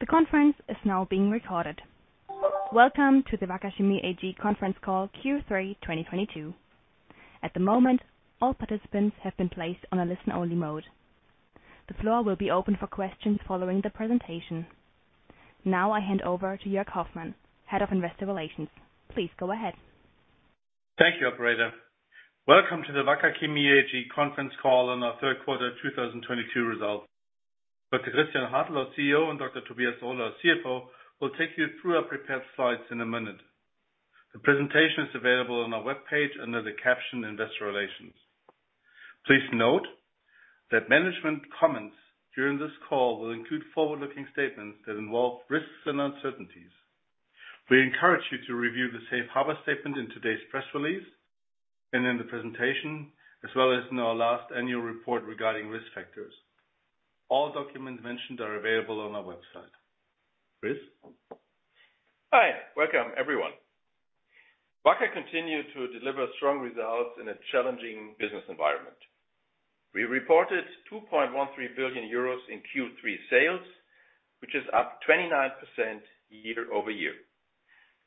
The conference is now being recorded. Welcome to the Wacker Chemie AG conference call, Q3 2022. At the moment, all participants have been placed on a listen-only mode. The floor will be open for questions following the presentation. Now I hand over to Jörg Hoffmann, Head of Investor Relations. Please go ahead. Thank you, operator. Welcome to the Wacker Chemie AG conference call on our third quarter 2022 results. Dr. Christian Hartel, CEO, and Dr. Tobias Ohler, our CFO, will take you through our prepared slides in a minute. The presentation is available on our webpage under the caption Investor Relations. Please note that management comments during this call will include forward-looking statements that involve risks and uncertainties. We encourage you to review the safe harbor statement in today's press release and in the presentation, as well as in our last annual report regarding risk factors. All documents mentioned are available on our website. Chris? Hi. Welcome everyone. Wacker continued to deliver strong results in a challenging business environment. We reported 2.13 billion euros in Q3 sales, which is up 29% year-over-year.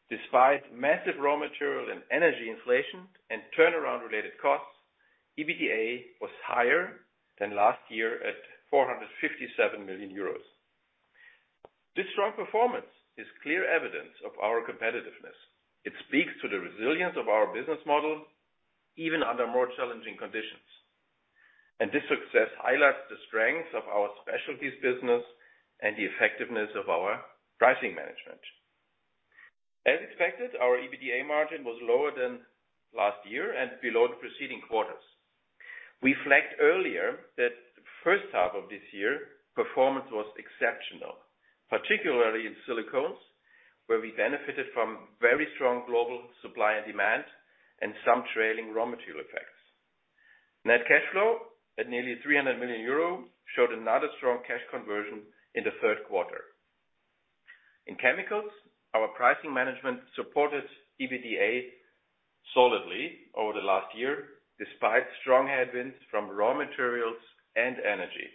Despite massive raw material and energy inflation and turnaround-related costs, EBITDA was higher than last year at 457 million euros. This strong performance is clear evidence of our competitiveness. It speaks to the resilience of our business model, even under more challenging conditions. This success highlights the strength of our specialties business and the effectiveness of our pricing management. As expected, our EBITDA margin was lower than last year and below the preceding quarters. We flagged earlier that first half of this year, performance was exceptional, particularly in silicones, where we benefited from very strong global supply and demand and some trailing raw material effects. Net cash flow at nearly 300 million euro showed another strong cash conversion in the third quarter. In chemicals, our pricing management supported EBITDA solidly over the last year, despite strong headwinds from raw materials and energy.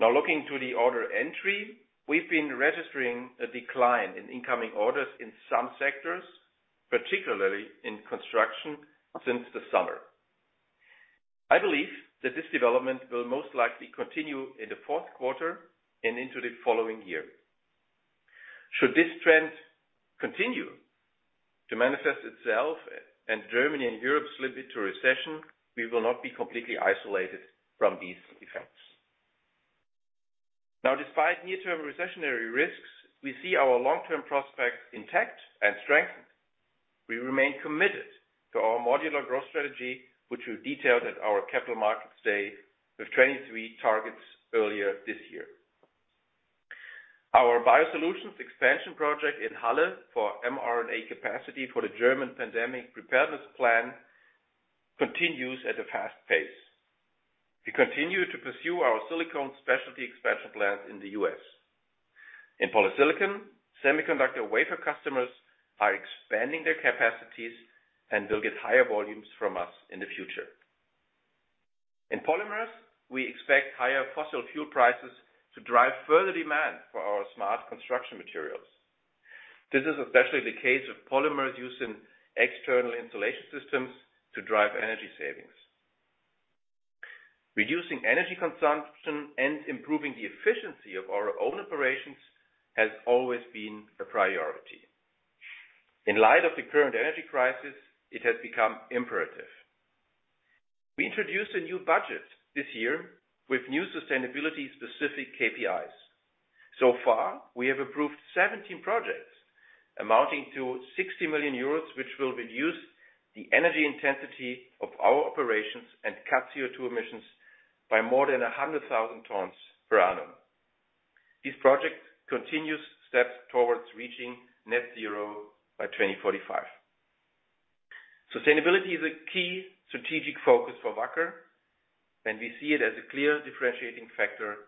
Now looking to the order entry, we've been registering a decline in incoming orders in some sectors, particularly in construction since the summer. I believe that this development will most likely continue in the fourth quarter and into the following year. Should this trend continue to manifest itself and Germany and Europe slip into recession, we will not be completely isolated from these effects. Now, despite near-term recessionary risks, we see our long-term prospects intact and strengthened. We remain committed to our modular growth strategy, which we detailed at our capital markets day with 23 targets earlier this year. Our biosolutions expansion project in Halle for mRNA capacity for the German Pandemic Preparedness Plan continues at a fast pace. We continue to pursue our silicone specialty expansion plans in the US. In polysilicon, semiconductor wafer customers are expanding their capacities, and they'll get higher volumes from us in the future. In polymers, we expect higher fossil fuel prices to drive further demand for our smart construction materials. This is especially the case with polymers used in external insulation systems to drive energy savings. Reducing energy consumption and improving the efficiency of our own operations has always been a priority. In light of the current energy crisis, it has become imperative. We introduced a new budget this year with new sustainability-specific KPIs. So far, we have approved 17 projects amounting to 60 million euros, which will reduce the energy intensity of our operations and cut CO2 emissions by more than 100,000 tons per annum. This project continues steps towards reaching net zero by 2045. Sustainability is a key strategic focus for Wacker, and we see it as a clear differentiating factor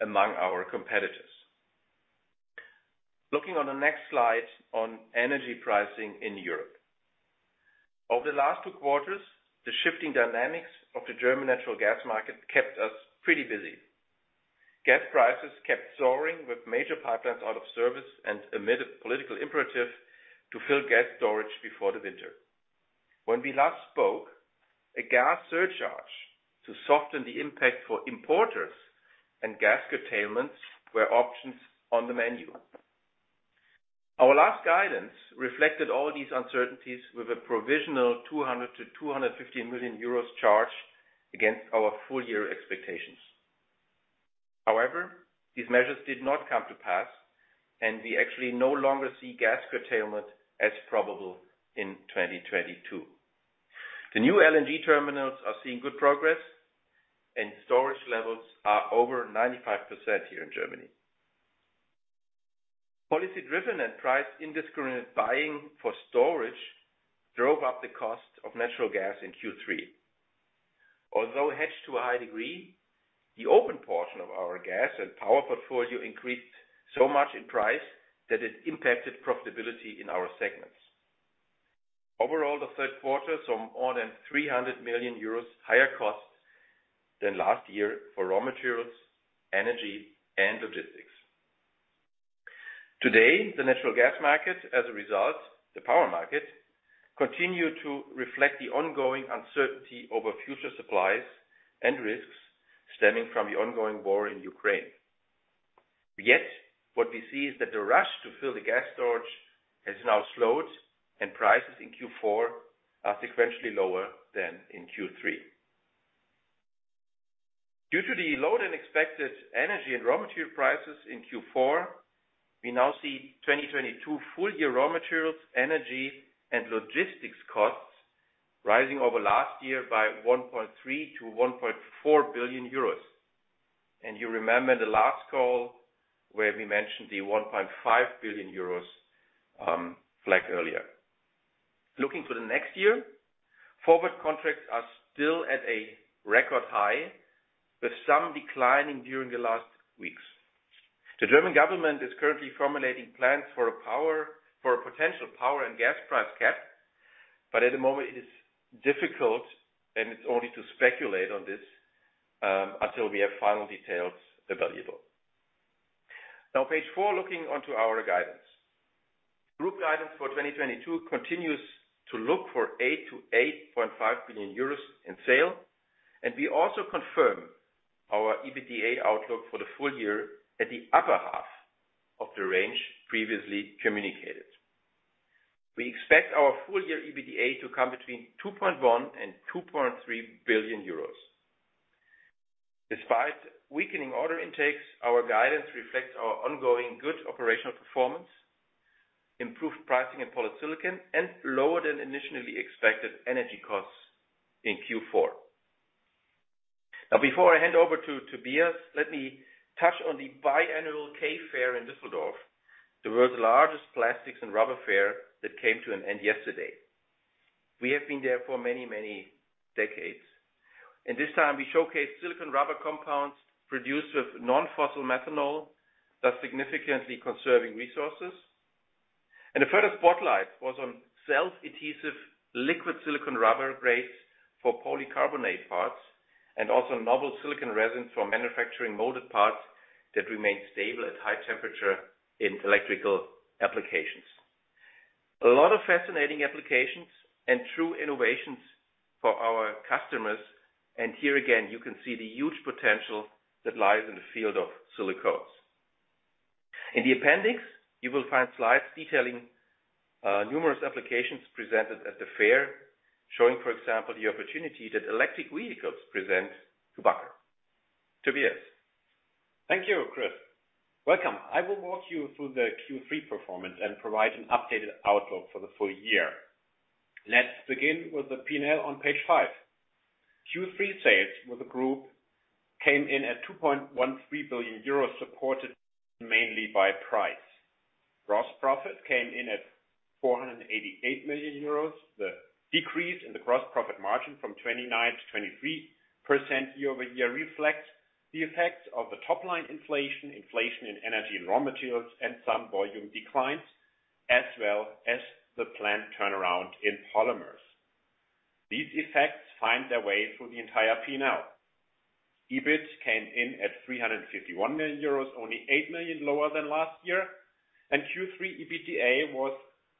among our competitors. Looking on the next slide on energy pricing in Europe. Over the last 2 quarters, the shifting dynamics of the German natural gas market kept us pretty busy. Gas prices kept soaring, with major pipelines out of service and amid a political imperative to fill gas storage before the winter. When we last spoke, a gas surcharge to soften the impact for importers and gas curtailments were options on the menu. Our last guidance reflected all these uncertainties with a provisional 200 million-250 million euros charge against our full year expectations. However, these measures did not come to pass, and we actually no longer see gas curtailment as probable in 2022. The new LNG terminals are seeing good progress, and storage levels are over 95% here in Germany. Policy-driven and price indiscriminate buying for storage drove up the cost of natural gas in Q3. Although hedged to a high degree, the open portion of our gas and power portfolio increased so much in price that it impacted profitability in our segments. Overall, the third quarter saw more than 300 million euros higher costs than last year for raw materials, energy and logistics. Today, the natural gas market and, as a result, the power market continue to reflect the ongoing uncertainty over future supplies and risks stemming from the ongoing war in Ukraine. Yet what we see is that the rush to fill the gas storage has now slowed and prices in Q4 are sequentially lower than in Q3. Due to the lower than expected energy and raw material prices in Q4, we now see 2022 full year raw materials, energy and logistics costs rising over last year by 1.3 billion-1.4 billion euros. You remember the last call where we mentioned the 1.5 billion euros flag earlier. Looking to the next year, forward contracts are still at a record high, with some declining during the last weeks. The German government is currently formulating plans for a potential power and gas price cap. At the moment it is difficult and it's only to speculate on this until we have final details available. Now page four, looking onto our guidance. Group guidance for 2022 continues to look for 8 billion-8.5 billion euros in sales, and we also confirm our EBITDA outlook for the full year at the upper half of the range previously communicated. We expect our full year EBITDA to come between 2.1 billion and 2.3 billion euros. Despite weakening order intakes, our guidance reflects our ongoing good operational performance, improved pricing in polysilicon, and lower than initially expected energy costs in Q4. Now before I hand over to Tobias, let me touch on the biannual K Fair in Düsseldorf, the world's largest plastics and rubber fair that came to an end yesterday. We have been there for many, many decades, and this time we showcase silicone rubber compounds produced with non-fossil methanol, thus significantly conserving resources. A further spotlight was on self-adhesive liquid silicone rubber grades for polycarbonate parts, and also novel silicone resins for manufacturing molded parts that remain stable at high temperature in electrical applications. A lot of fascinating applications and true innovations for our customers. Here again, you can see the huge potential that lies in the field of silicones. In the appendix, you will find slides detailing numerous applications presented at the fair, showing, for example, the opportunity that electric vehicles present to Wacker. Tobias. Thank you, Chris. I will walk you through the Q3 performance and provide an updated outlook for the full year. Let's begin with the P&L on page 5. Q3 sales with the group came in at 2.13 billion euros, supported mainly by price. Gross profit came in at 488 million euros. The decrease in the gross profit margin from 29%-23% year-over-year reflects the effects of the top line inflation in energy and raw materials, and some volume declines, as well as the plant turnaround in polymers. These effects find their way through the entire P&L. EBIT came in at 351 million euros, only 8 million lower than last year, and Q3 EBITDA was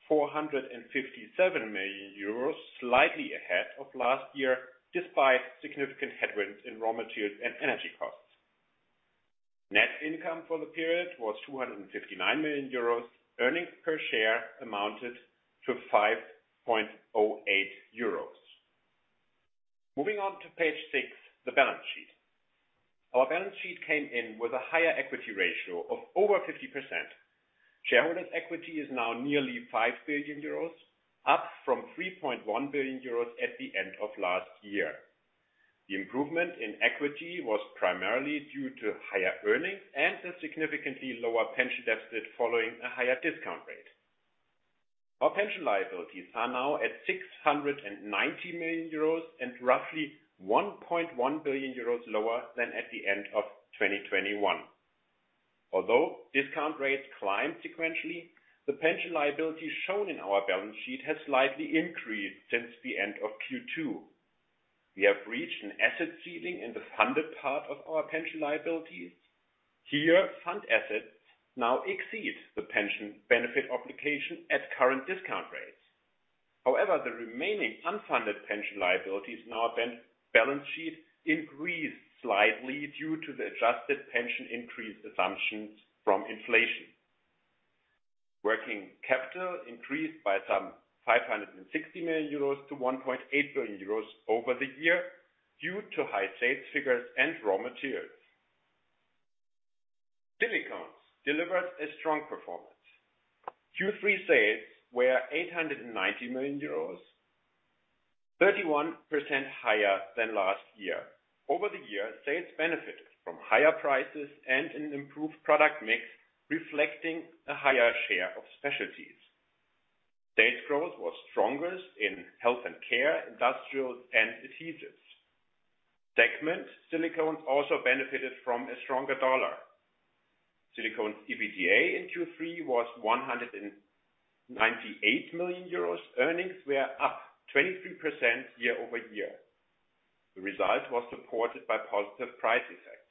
457 million euros, slightly ahead of last year, despite significant headwinds in raw materials and energy costs. Net income for the period was 259 million euros. Earnings per share amounted to 5.08 euros. Moving on to page 6, the balance sheet. Our balance sheet came in with a higher equity ratio of over 50%. Shareholder equity is now nearly 5 billion euros, up from 3.1 billion euros at the end of last year. The improvement in equity was primarily due to higher earnings and a significantly lower pension deficit following a higher discount rate. Our pension liabilities are now at 690 million euros and roughly 1.1 billion euros lower than at the end of 2021. Although discount rates climbed sequentially, the pension liability shown in our balance sheet has slightly increased since the end of Q2. We have reached an asset ceiling in the funded part of our pension liabilities. Fund assets now exceed the pension benefit obligation at current discount rates. However, the remaining unfunded pension liabilities in our balance sheet increased slightly due to the adjusted pension increase assumptions from inflation. Working capital increased by some 560 million euros to 1.8 billion euros over the year, due to high sales figures and raw materials. Silicones delivered a strong performance. Q3 sales were 890 million euros, 31% higher than last year. Over the year, sales benefited from higher prices and an improved product mix, reflecting a higher share of specialties. Sales growth was strongest in health and care, industrials and adhesives. Segment silicones also benefited from a stronger dollar. Silicones EBITDA in Q3 was 198 million euros. Earnings were up 23% year-over-year. The result was supported by positive price effects.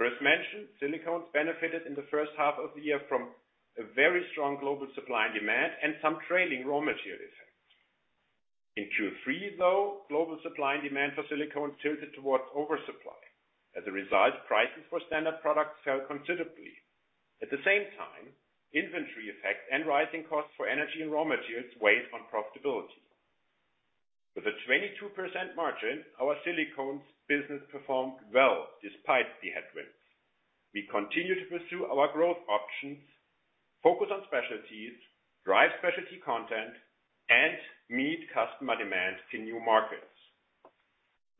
As Chris mentioned, silicones benefited in the first half of the year from a very strong global supply and demand and some trailing raw material effects. In Q3, though, global supply and demand for silicone tilted towards oversupply. As a result, prices for standard products fell considerably. At the same time, inventory effects and rising costs for energy and raw materials weighed on profitability. With a 22% margin, our silicones business performed well despite the headwinds. We continue to pursue our growth options, focus on specialties, drive specialty content, and meet customer demand in new markets.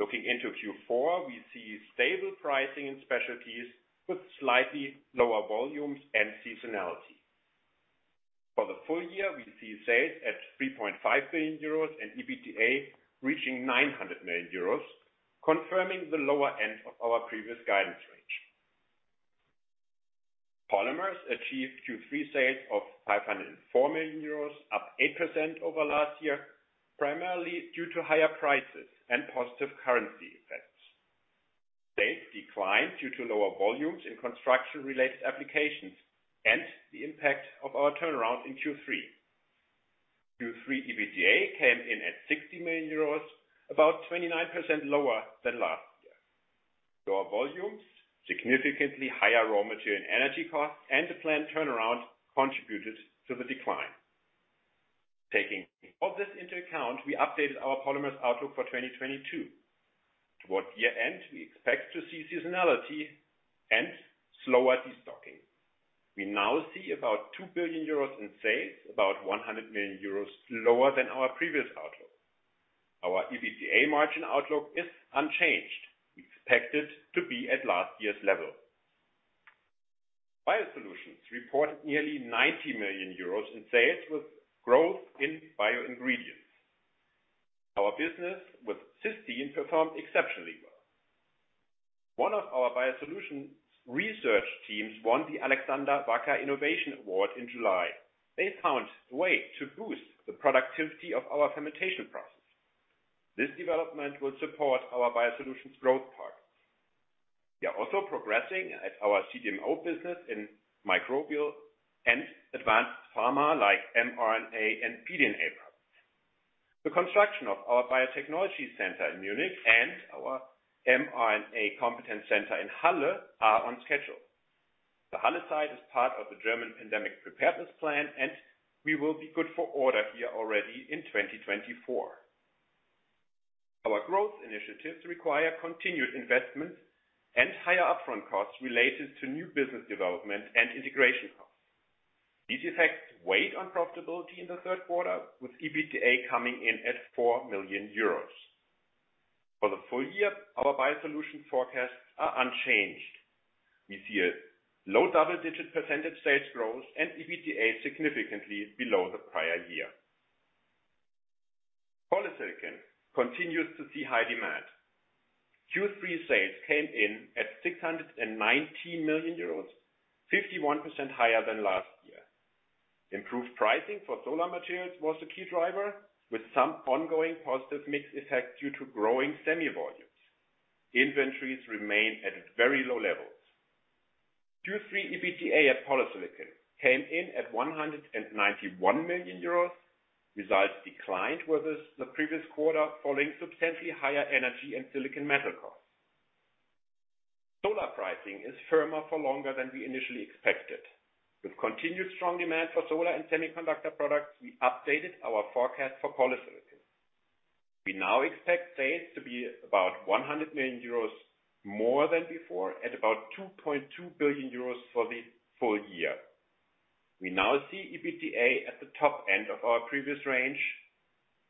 Looking into Q4, we see stable pricing in specialties with slightly lower volumes and seasonality. For the full year, we see sales at 3.5 billion euros and EBITDA reaching 900 million euros, confirming the lower end of our previous guidance range. Polymers achieved Q3 sales of 504 million euros, up 8% over last year, primarily due to higher prices and positive currency effects. Sales declined due to lower volumes in construction-related applications and the impact of our turnaround in Q3. Q3 EBITDA came in at 60 million euros, about 29% lower than last year. Lower volumes, significantly higher raw material and energy costs, and the planned turnaround contributed to the decline. Taking all this into account, we updated our polymers outlook for 2022. Toward year-end, we expect to see seasonality and slower destocking. We now see about 2 billion euros in sales, about 100 million euros lower than our previous outlook. Our EBITDA margin outlook is unchanged. We expect it to be at last year's level. Biosolutions reported nearly 90 million euros in sales with growth in bio ingredients. Our business with cysteine performed exceptionally well. One of our biosolutions research teams won the Alexander Wacker Innovation Award in July. They found a way to boost the productivity of our fermentation process. This development will support our biosolutions growth targets. We are also progressing at our CDMO business in microbial and advanced pharma like mRNA and pDNA products. The construction of our biotechnology center in Munich and our mRNA competence center in Halle are on schedule. The Halle site is part of the German Pandemic Preparedness Plan, and we will be good for order here already in 2024. Our growth initiatives require continued investments and higher upfront costs related to new business development and integration costs. These effects weighed on profitability in the third quarter, with EBITDA coming in at 4 million euros. For the full year, our biosolutions forecasts are unchanged. We see low double-digit % sales growth and EBITDA significantly below the prior year. Polysilicon continues to see high demand. Q3 sales came in at 619 million euros, 51% higher than last year. Improved pricing for solar materials was the key driver, with some ongoing positive mix effect due to growing semi volumes. Inventories remain at very low levels. Q3 EBITDA at polysilicon came in at 191 million euros. Results declined with the previous quarter following substantially higher energy and silicon material costs. Solar pricing is firmer for longer than we initially expected. With continued strong demand for solar and semiconductor products, we updated our forecast for polysilicon. We now expect sales to be about 100 million euros more than before at about 2.2 billion euros for the full year. We now see EBITDA at the top end of our previous range,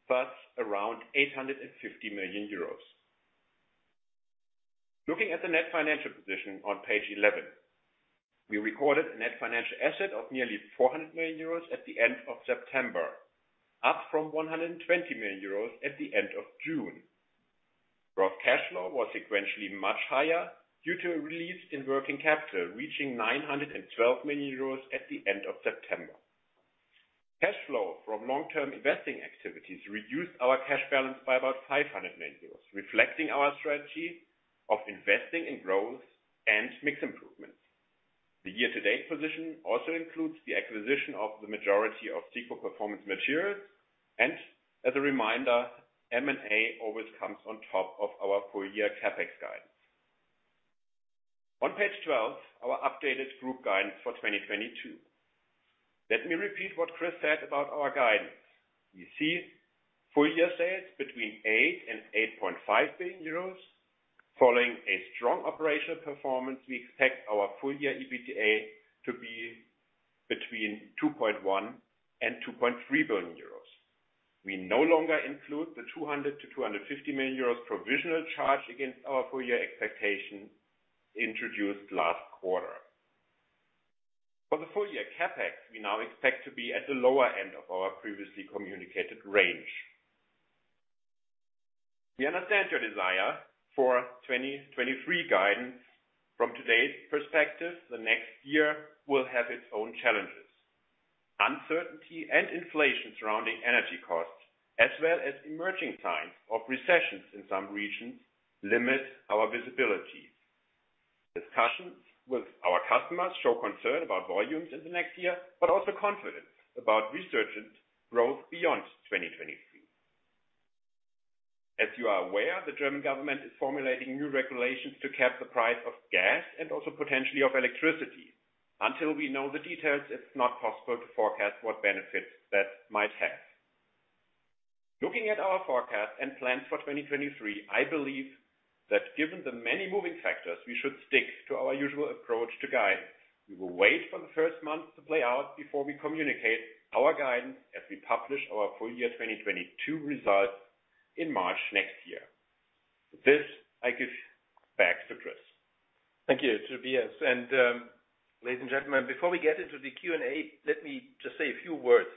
thus around 850 million euros. Looking at the net financial position on page 11, we recorded a net financial asset of nearly 400 million euros at the end of September, up from 120 million euros at the end of June. Operating cash flow was sequentially much higher due to a release in working capital, reaching 912 million euros at the end of September. Cash flow from long-term investing activities reduced our cash balance by about 500 million euros, reflecting our strategy of investing in growth and mix improvements. The year-to-date position also includes the acquisition of the majority of SICO Performance Material, and as a reminder, M&A always comes on top of our full-year CapEx guidance. On page 12, our updated group guidance for 2022. Let me repeat what Chris said about our guidance. We see full year sales between 8 billion and 8.5 billion euros. Following a strong operational performance, we expect our full year EBITDA to be between 2.1 billion and 2.3 billion euros. We no longer include the 200 million-250 million euros provisional charge against our full-year expectation introduced last quarter. For the full year CapEx, we now expect to be at the lower end of our previously communicated range. We understand your desire for 2023 guidance. From today's perspective, the next year will have its own challenges. Uncertainty and inflation surrounding energy costs, as well as emerging signs of recessions in some regions limit our visibility. Discussions with our customers show concern about volumes in the next year, but also confidence about resurgent growth beyond 2023. As you are aware, the German government is formulating new regulations to cap the price of gas and also potentially of electricity. Until we know the details, it's not possible to forecast what benefits that might have. Looking at our forecast and plans for 2023, I believe that given the many moving factors, we should stick to our usual approach to guide. We will wait for the first month to play out before we communicate our guidance as we publish our full year 2022 results in March next year. With this, I give back to Chris. Thank you, Tobias. Ladies and gentlemen, before we get into the Q&A, let me just say a few words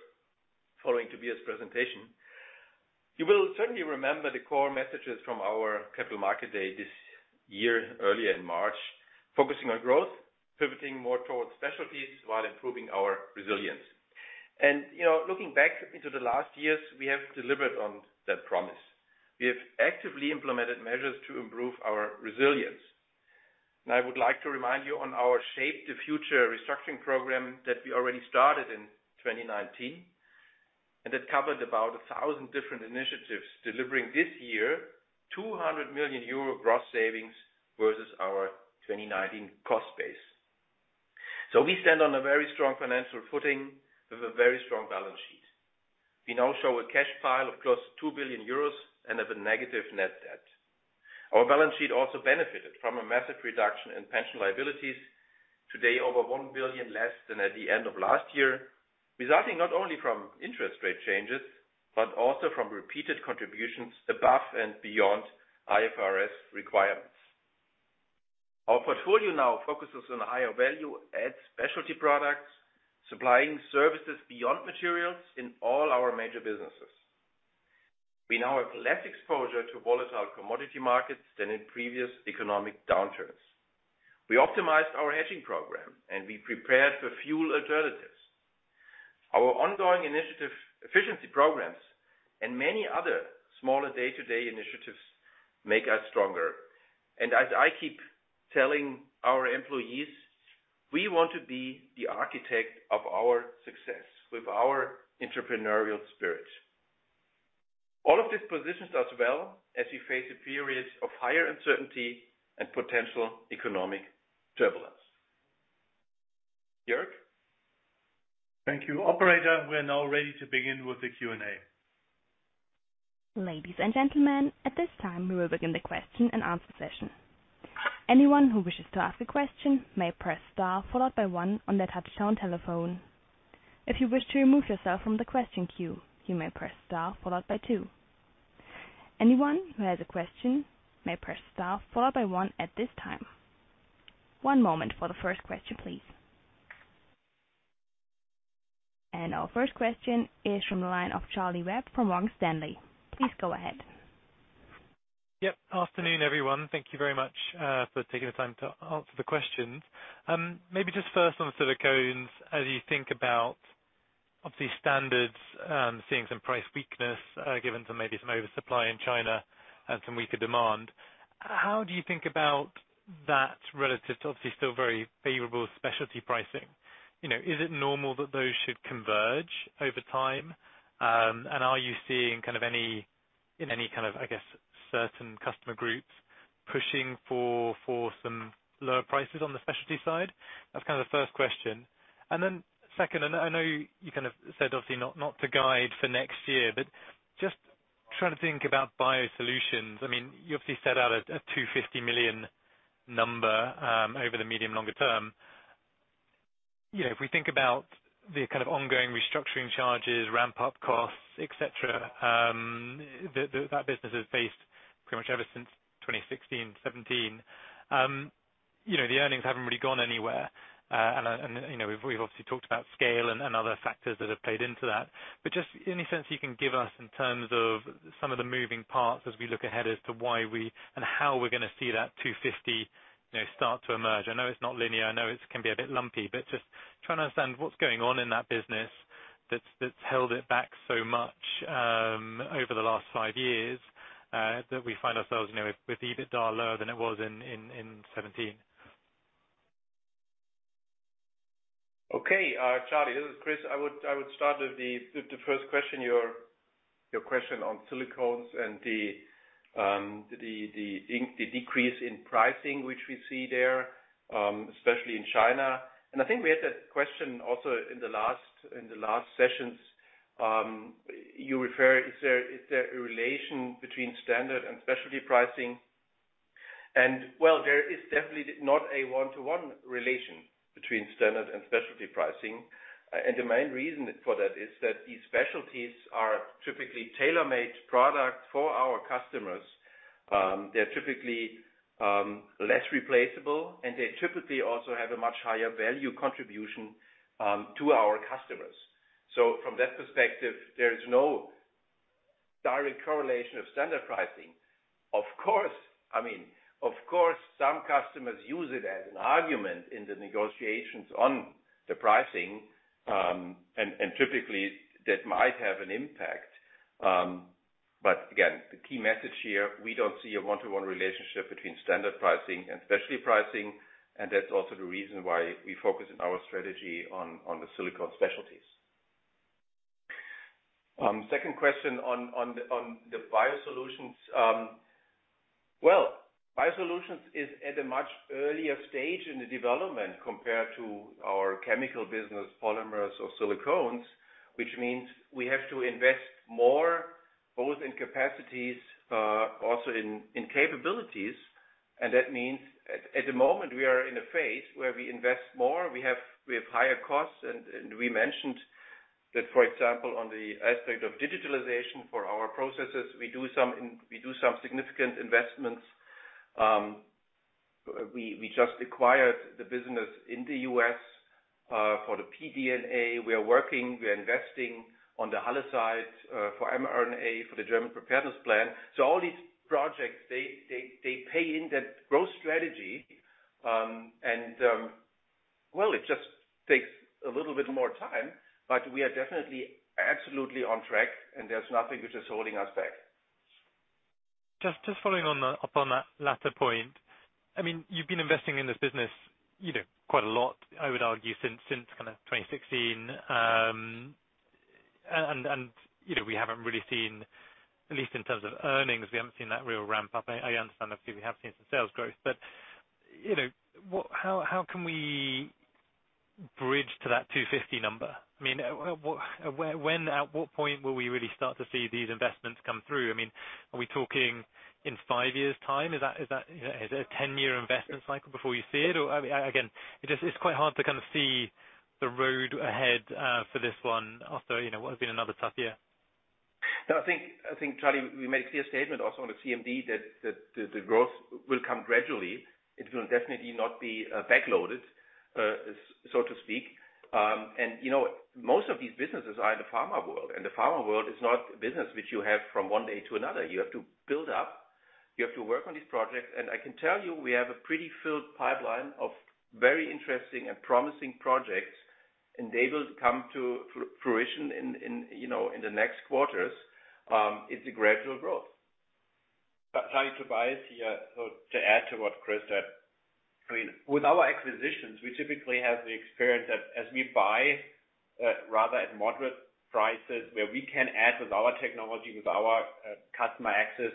following Tobias' presentation. You will certainly remember the core messages from our capital market day this year, earlier in March, focusing on growth, pivoting more towards specialties while improving our resilience. You know, looking back into the last years, we have delivered on that promise. We have actively implemented measures to improve our resilience. I would like to remind you on our Shape the Future restructuring program that we already started in 2019, and that covered about 1,000 different initiatives, delivering this year 200 million euro gross savings versus our 2019 cost base. We stand on a very strong financial footing with a very strong balance sheet. We now show a cash pile of close to 2 billion euros and have a negative net debt. Our balance sheet also benefited from a massive reduction in pension liabilities, today over 1 billion less than at the end of last year, resulting not only from interest rate changes, but also from repeated contributions above and beyond IFRS requirements. Our portfolio now focuses on higher value add specialty products, supplying services beyond materials in all our major businesses. We now have less exposure to volatile commodity markets than in previous economic downturns. We optimized our hedging program, and we prepared for fuel alternatives. Our ongoing initiative efficiency programs and many other smaller day-to-day initiatives make us stronger. As I keep telling our employees, we want to be the architect of our success with our entrepreneurial spirit. All of this positions us well as we face a period of higher uncertainty and potential economic turbulence. Jörg? Thank you. Operator, we are now ready to begin with the Q&A. Ladies and gentlemen, at this time, we will begin the question and answer session. Anyone who wishes to ask a question may press star followed by one on their touchtone telephone. If you wish to remove yourself from the question queue, you may press star followed by two. Anyone who has a question may press star followed by one at this time. One moment for the first question, please. Our first question is from the line of Charlie Webb from Morgan Stanley. Please go ahead. Yep. Afternoon, everyone. Thank you very much for taking the time to answer the questions. Maybe just first on silicones, as you think about obviously standards, seeing some price weakness, given, too, maybe some oversupply in China and some weaker demand, how do you think about that relative to obviously still very favorable specialty pricing? You know, is it normal that those should converge over time? Are you seeing kind of any in any kind of I guess certain customer groups pushing for some lower prices on the specialty side? That's kind of the first question. Second, I know you kind of said, obviously not to guide for next year, but just trying to think about biosolutions. I mean, you obviously set out a 250 million number over the medium longer term. You know, if we think about the kind of ongoing restructuring charges, ramp-up costs, et cetera, that business has faced pretty much ever since 2016, 2017. You know, the earnings haven't really gone anywhere. You know, we've obviously talked about scale and other factors that have played into that. Just any sense you can give us in terms of some of the moving parts as we look ahead as to why we and how we're gonna see that 250 start to emerge. I know it's not linear. I know it can be a bit lumpy, but just trying to understand what's going on in that business that's held it back so much over the last five years that we find ourselves you know, with EBITDA lower than it was in 2017. Okay. Charlie, this is Chris. I would start with the first question, your question on silicones and the decrease in pricing, which we see there, especially in China. I think we had that question also in the last sessions. You refer, is there a relation between standard and specialty pricing? Well, there is definitely not a one-to-one relation between standard and specialty pricing. The main reason for that is that these specialties are typically tailor-made product for our customers. They're typically less replaceable, and they typically also have a much higher value contribution to our customers. From that perspective, there is no direct correlation of standard pricing. Of course, I mean, of course, some customers use it as an argument in the negotiations on the pricing, and typically that might have an impact. Again, the key message here, we don't see a one-to-one relationship between standard pricing and specialty pricing, and that's also the reason why we focus our strategy on the silicone specialties. Second question on the Biosolutions. Well, Biosolutions is at a much earlier stage in the development compared to our chemical business, polymers or silicones, which means we have to invest more both in capacities, also in capabilities. That means at the moment we are in a phase where we invest more. We have higher costs. We mentioned that, for example, on the aspect of digitalization for our processes, we do some significant investments. We just acquired the business in the US for the pDNA. We are working, we are investing on the Halle site for mRNA, for the German preparedness plan. All these projects, they pay in that growth strategy. Well, it just takes a little bit more time, but we are definitely absolutely on track and there's nothing which is holding us back. Just following up on that latter point. I mean, you've been investing in this business, you know, quite a lot, I would argue, since kind of 2016. You know, we haven't really seen, at least in terms of earnings, that real ramp up. I understand obviously we have seen some sales growth. You know, how can we bridge to that 250 number? I mean, at what point will we really start to see these investments come through? I mean, are we talking in 5 years' time? Is that, you know, is it a 10-year investment cycle before you see it? Or, I mean, again, it's quite hard to kind of see the road ahead for this one after, you know, what has been another tough year. No, I think, Charlie, we made a clear statement also on the CMD that the growth will come gradually. It will definitely not be backloaded, so to speak. You know, most of these businesses are in the pharma world, and the pharma world is not a business which you have from one day to another. You have to build up. You have to work on these projects. I can tell you, we have a pretty filled pipeline of very interesting and promising projects, and they will come to fruition in you know, in the next quarters. It's a gradual growth. This is Tobias here. To add to what Chris said. I mean, with our acquisitions, we typically have the experience that as we buy rather at moderate prices, where we can add with our technology, with our customer access.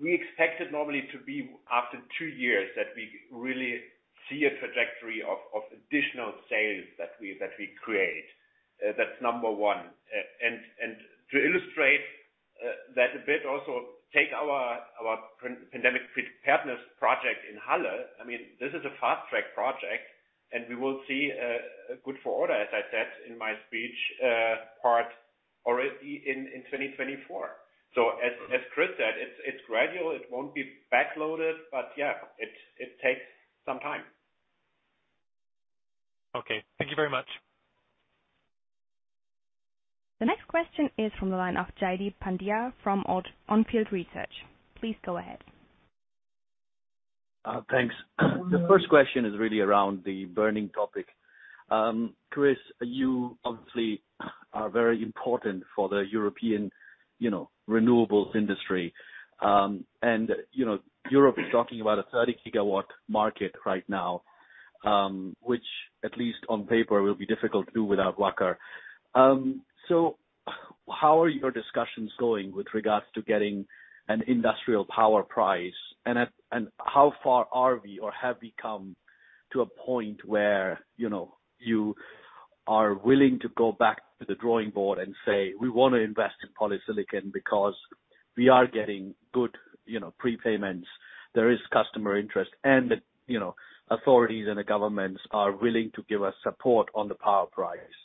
We expect it normally to be after two years that we really see a trajectory of additional sales that we create. That's number one. And to illustrate that a bit also, take our pandemic preparedness project in Halle. I mean, this is a fast-track project, and we will see a good order, as I said in my speech, part already in 2024. As Chris said, it's gradual. It won't be backloaded, but yeah, it takes some time. Okay. Thank you very much. The next question is from the line of Jaideep Pandya from On Field Investment Research. Please go ahead. Thanks. The first question is really around the burning topic. Chris, you obviously are very important for the European, you know, renewables industry. You know, Europe is talking about a 30-gigawatt market right now, which at least on paper will be difficult to do without Wacker. How are your discussions going with regards to getting an industrial power price and how far are we or have we come to a point where, you know, you are willing to go back to the drawing board and say, "We wanna invest in polysilicon because we are getting good, you know, prepayments. There is customer interest, and, you know, authorities and the governments are willing to give us support on the power price."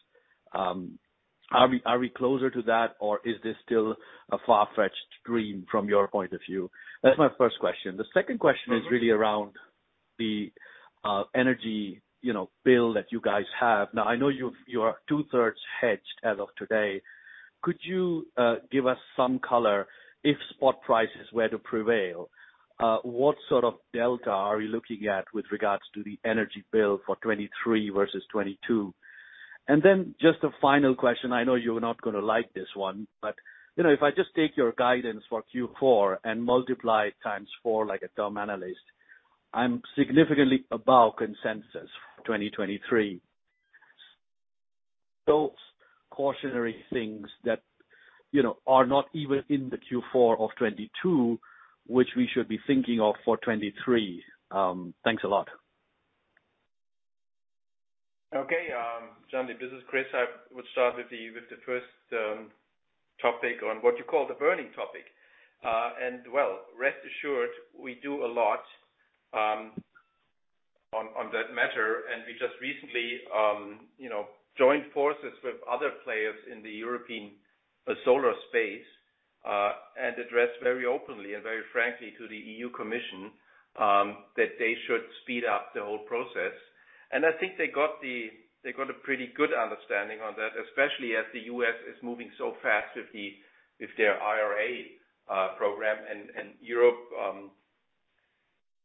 Are we closer to that or is this still a far-fetched dream from your point of view? That's my first question. The second question is really around the energy, you know, bill that you guys have. Now, I know you are two-thirds hedged as of today. Could you give us some color if spot prices were to prevail, what sort of delta are you looking at with regards to the energy bill for 2023 versus 2022? And then just a final question. I know you're not gonna like this one, but, you know, if I just take your guidance for Q4 and multiply it times four like a dumb analyst, I'm significantly above consensus for 2023. Those cautionary things that, you know, are not even in the Q4 of 2022, which we should be thinking of for 2023. Thanks a lot. Jaideep, this is Christian. I would start with the first topic on what you call the burning topic. Well, rest assured we do a lot on that matter, and we just recently, you know, joined forces with other players in the European solar space, and addressed very openly and very frankly to the EU Commission that they should speed up the whole process. I think they got a pretty good understanding on that, especially as the U.S. is moving so fast with their IRA program, and Europe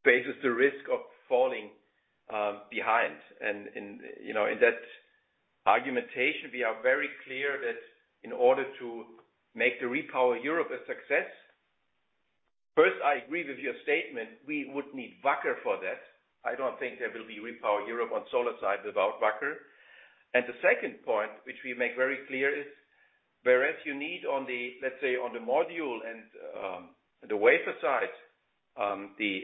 faces the risk of falling behind. You know, in that argumentation, we are very clear that in order to make the REPowerEU a success, first, I agree with your statement, we would need Wacker for that. I don't think there will be REPowerEU on solar side without Wacker. The second point, which we make very clear, is whereas you need on the, let's say, on the module and, the wafer side, the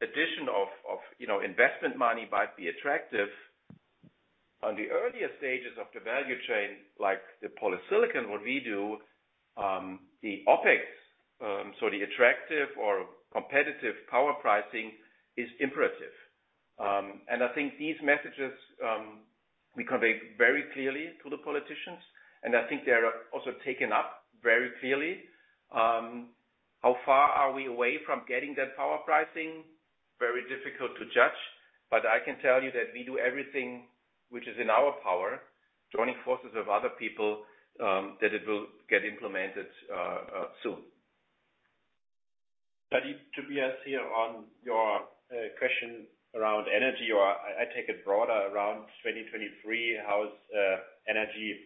addition of you know investment money might be attractive. On the earlier stages of the value chain, like the polysilicon, what we do, the OpEx so the attractive or competitive power pricing is imperative. I think these messages we convey very clearly to the politicians, and I think they are also taken up very clearly. How far are we away from getting that power pricing? Very difficult to judge, but I can tell you that we do everything which is in our power, joining forces with other people that it will get implemented soon. To be honest here on your question around energy, or I take it broader around 2023, how is energy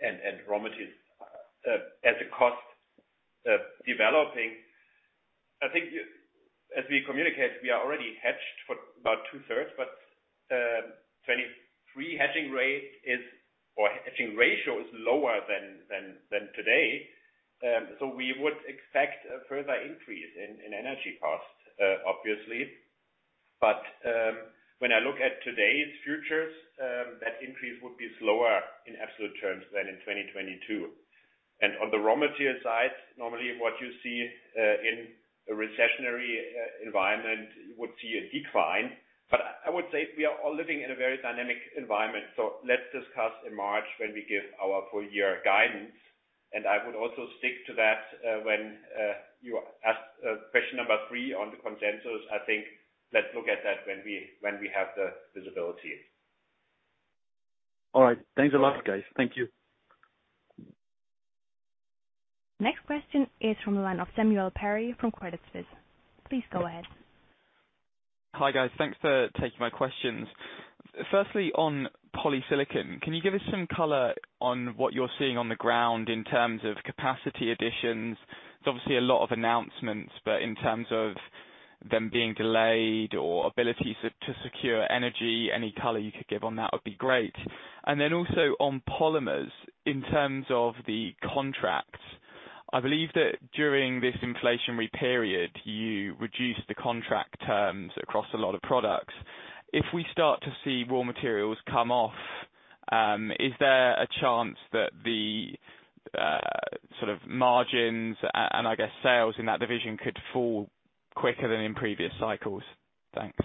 and raw materials as a cost developing? I think as we communicate, we are already hedged for about two-thirds, but 2023 hedging rate is, or hedging ratio is lower than today. We would expect a further increase in energy costs, obviously. When I look at today's futures, that increase would be slower in absolute terms than in 2022. On the raw material side, normally what you see in a recessionary environment would see a decline. I would say we are all living in a very dynamic environment. Let's discuss in March when we give our full year guidance. I would also stick to that, when you ask question number three on the consensus. I think let's look at that when we have the visibility. All right. Thanks a lot, guys. Thank you. Next question is from the line of Samuel Perry from Credit Suisse. Please go ahead. Hi, guys. Thanks for taking my questions. Firstly, on polysilicon, can you give us some color on what you're seeing on the ground in terms of capacity additions? There's obviously a lot of announcements, but in terms of them being delayed or ability to secure energy, any color you could give on that would be great. Then also on polymers, in terms of the contracts, I believe that during this inflationary period, you reduced the contract terms across a lot of products. If we start to see raw materials come off, is there a chance that the sort of margins and I guess sales in that division could fall quicker than in previous cycles? Thanks.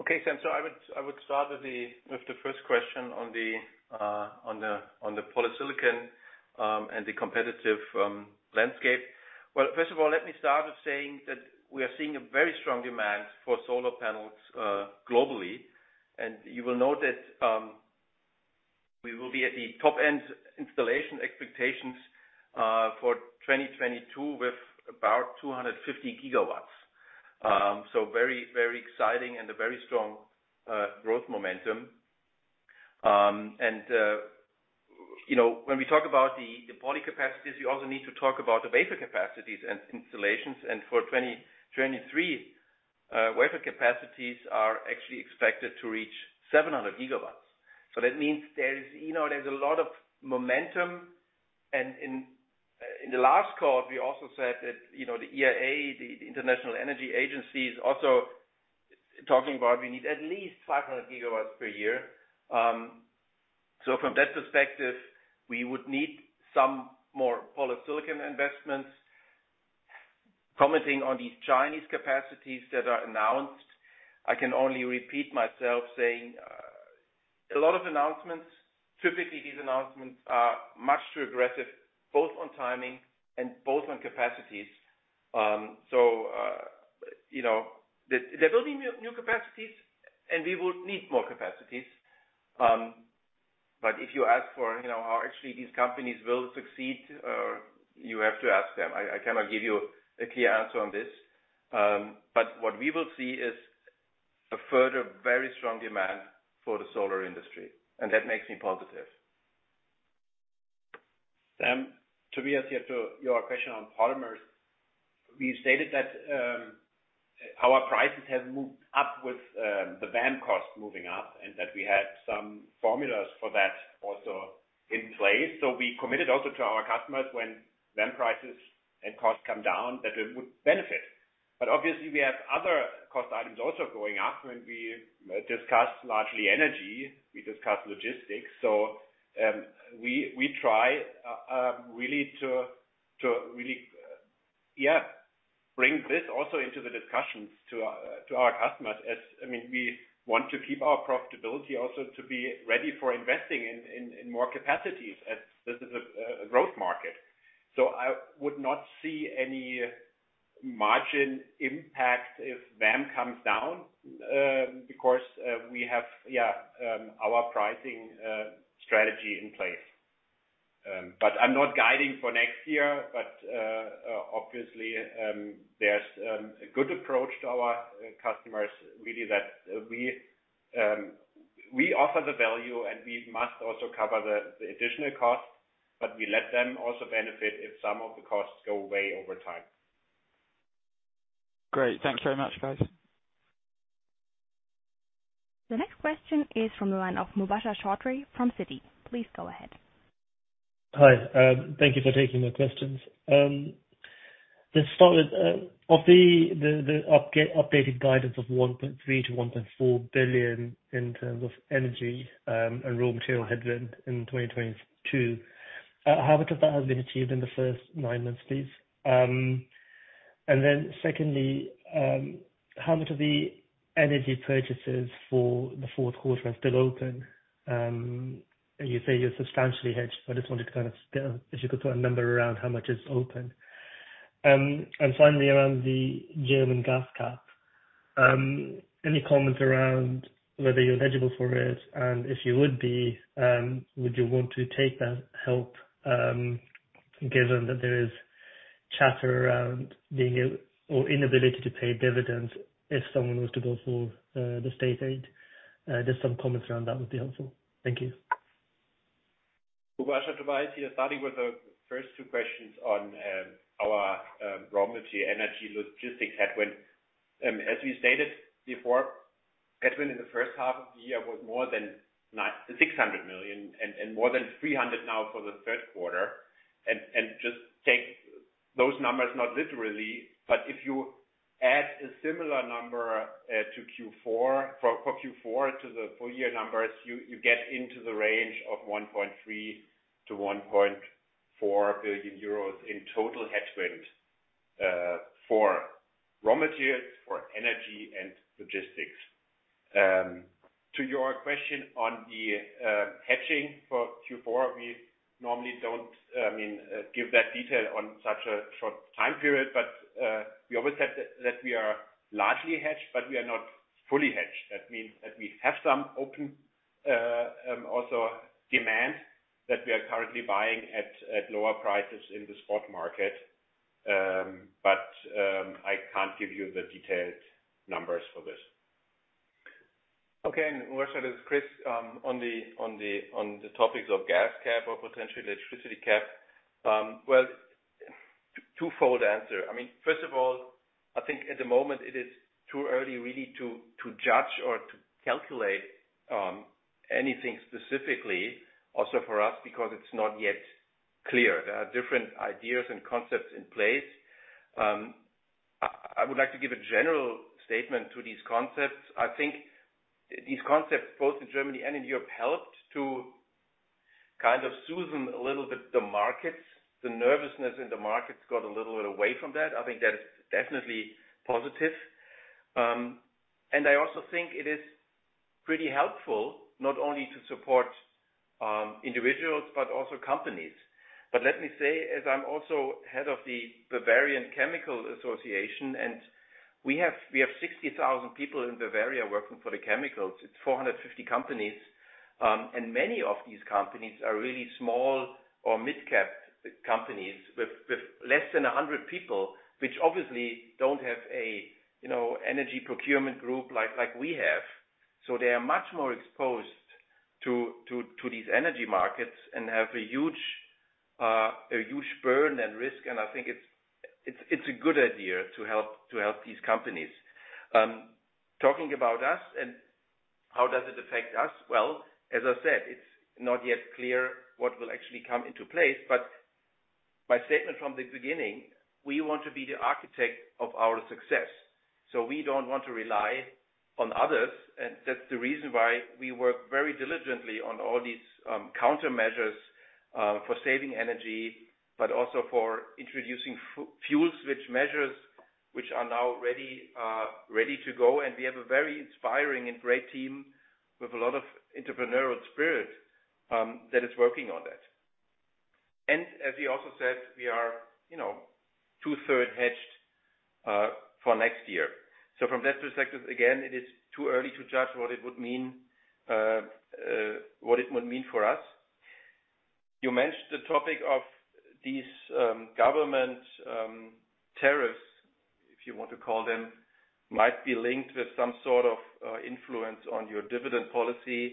Okay, Sam. I would start with the first question on the polysilicon and the competitive landscape. Well, first of all, let me start with saying that we are seeing a very strong demand for solar panels globally. You will note that we will be at the top end installation expectations for 2022 with about 250 gigawatts. Very, very exciting and a very strong growth momentum. You know, when we talk about the poly capacities, you also need to talk about the wafer capacities and installations. For 2023, wafer capacities are actually expected to reach 700 gigawatts. That means there is, you know, there's a lot of momentum. In the last call, we also said that, you know, the IEA, the International Energy Agency, is also talking about we need at least 500 gigawatts per year. From that perspective, we would need some more polysilicon investments. Commenting on these Chinese capacities that are announced, I can only repeat myself saying a lot of announcements. Typically, these announcements are much too aggressive, both on timing and both on capacities. You know, there will be new capacities, and we would need more capacities. If you ask for, you know, how actually these companies will succeed, you have to ask them. I cannot give you a clear answer on this. What we will see is a further very strong demand for the solar industry, and that makes me positive. Sam, Tobias, here to your question on polymers. We stated that our prices have moved up with the VAM cost moving up, and that we had some formulas for that also in place. We committed also to our customers when VAM prices and costs come down, that they would benefit. Obviously, we have other cost items also going up when we discuss largely energy, we discuss logistics. we try to bring this also into the discussions to our customers as I mean we want to keep our profitability also to be ready for investing in more capacities as this is a growth market. I would not see any margin impact if VAM comes down because we have yeah our pricing strategy in place. I'm not guiding for next year. Obviously, there's a good approach to our customers, really, that we offer the value, and we must also cover the additional costs, but we let them also benefit if some of the costs go away over time. Great. Thank you very much, guys. The next question is from the line of Mubashir Chaudhry from Citi. Please go ahead. Hi. Thank you for taking the questions. Let's start with the updated guidance of 1.3 billion-1.4 billion in terms of energy and raw material headwind in 2022, how much of that has been achieved in the first nine months, please? And then secondly, how much of the energy purchases for the fourth quarter are still open? You say you're substantially hedged, so I just wanted to kind of if you could put a number around how much is open. Finally around the German gas cap, any comments around whether you're eligible for it, and if you would be, would you want to take that help, given that there is chatter around being able or inability to pay dividends if someone was to go for the state aid? Just some comments around that would be helpful. Thank you. Mubashir, Tobias here. Starting with the first two questions on our raw material, energy, logistics headwind. As we stated before, headwind in the first half of the year was more than 600 million and more than 300 million now for the third quarter. Just take those numbers, not literally, but if you add a similar number to Q4, for Q4 to the full year numbers, you get into the range of 1.3 billion-1.4 billion euros in total headwind for raw materials, for energy and logistics. To your question on the hedging for Q4, we normally don't, I mean, give that detail on such a short time period, but we always said that we are largely hedged, but we are not fully hedged. That means that we have some open also demand that we are currently buying at lower prices in the spot market. I can't give you the detailed numbers for this. Okay. Mubashir, this is Chris, on the topics of gas cap or potentially electricity cap. Well, twofold answer. I mean, first of all, I think at the moment it is too early really to judge or to calculate anything specifically also for us, because it's not yet clear. There are different ideas and concepts in place. I would like to give a general statement to these concepts. I think these concepts, both in Germany and in Europe, helped to kind of soothe a little bit the markets. The nervousness in the markets got a little bit away from that. I think that is definitely positive. I also think it is pretty helpful not only to support individuals but also companies. Let me say, as I'm also head of the Bayerische Chemieverbände, and we have 60,000 people in Bavaria working for the chemicals. It's 450 companies. Many of these companies are really small or mid-cap companies with less than 100 people, which obviously don't have a, you know, energy procurement group like we have. They are much more exposed to these energy markets and have a huge burden and risk. I think it's a good idea to help these companies. Talking about us and how does it affect us? Well, as I said, it's not yet clear what will actually come into place, but my statement from the beginning, we want to be the architect of our success. We don't want to rely on others. That's the reason why we work very diligently on all these countermeasures for saving energy, but also for introducing fuel switch measures which are now ready to go. We have a very inspiring and great team with a lot of entrepreneurial spirit that is working on that. As we also said, we are, you know, two-thirds hedged for next year. From that perspective, again, it is too early to judge what it would mean for us. You mentioned the topic of these government tariffs, if you want to call them, might be linked with some sort of influence on your dividend policy.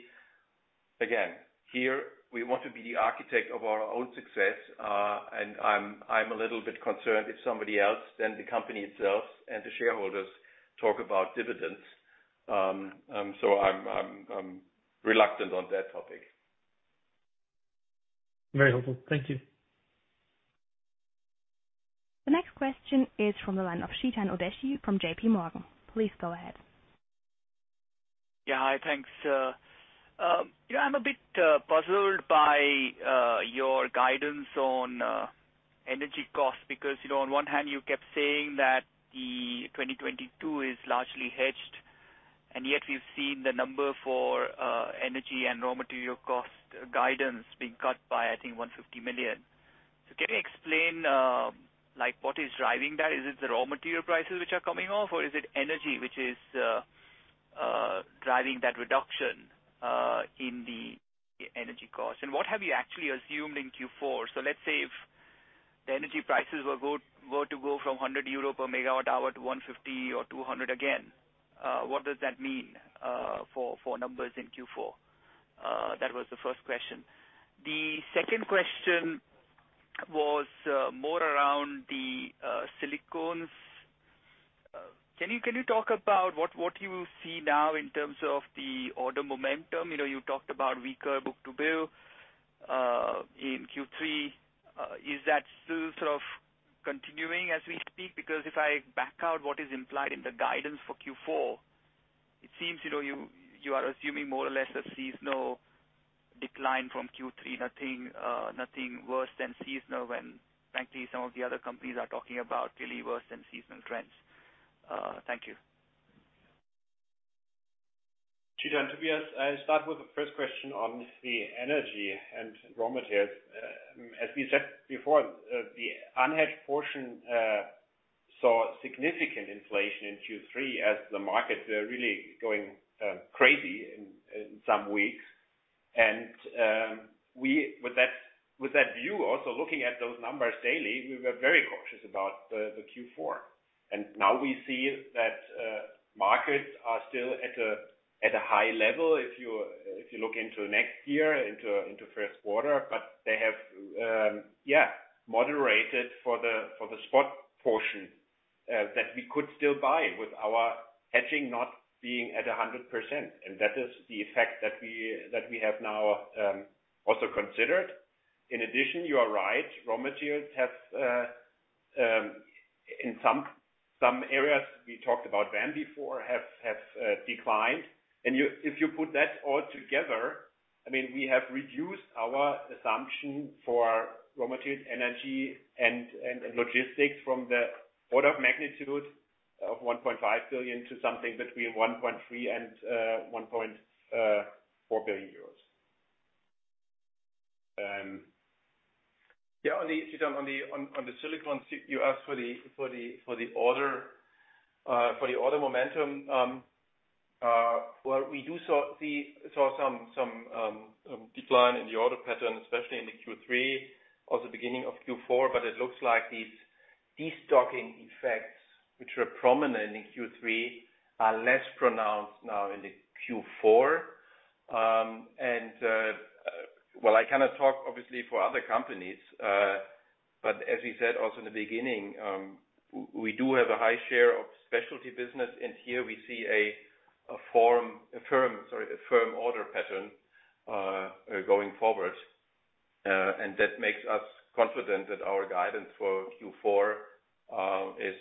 Here we want to be the architect of our own success. I'm a little bit concerned if somebody else than the company itself and the shareholders talk about dividends. I'm reluctant on that topic. Very helpful. Thank you. The next question is from the line of Chetan Udeshi from JPMorgan. Please go ahead. Yeah. Hi, thanks. Yeah, I'm a bit puzzled by your guidance on energy costs because, you know, on one hand you kept saying that 2022 is largely hedged, and yet we've seen the number for energy and raw material cost guidance being cut by, I think, 150 million. Can you explain, like, what is driving that? Is it the raw material prices which are coming off, or is it energy which is driving that reduction in the energy costs? And what have you actually assumed in Q4? Let's say if the energy prices were to go from 100 euro per megawatt hour to 150 or 200 again, what does that mean for numbers in Q4? That was the first question. The second question was more around the silicones. Can you talk about what you see now in terms of the order momentum? You know, you talked about weaker book-to-bill in Q3. Is that still sort of continuing as we speak? Because if I back out what is implied in the guidance for Q4, it seems, you know, you are assuming more or less a seasonal decline from Q3, nothing worse than seasonal when frankly some of the other companies are talking about really worse than seasonal trends. Thank you. Chetan, to be honest, I start with the first question on the energy and raw materials. As we said before, the unhedged portion saw significant inflation in Q3 as the markets were really going crazy in some weeks. With that view, also looking at those numbers daily, we were very cautious about the Q4. Now we see that markets are still at a high level if you look into next year, into first quarter. But they have moderated for the spot portion that we could still buy with our hedging not being at 100%. That is the effect that we have now also considered. In addition, you are right, raw materials have in some areas we talked about them before have declined. If you put that all together, I mean, we have reduced our assumption for raw material energy and logistics from the order of magnitude of 1.5 billion to something between 1.3 billion and 1.4 billion euros. Yeah, Chetan, on the silicones, you asked for the order momentum. Well, we saw some decline in the order pattern, especially in the Q3 or the beginning of Q4, but it looks like these destocking effects, which were prominent in Q3, are less pronounced now in the Q4. Well, I cannot talk obviously for other companies, but as we said also in the beginning, we do have a high share of specialty business, and here we see a firm order pattern going forward. That makes us confident that our guidance for Q4 is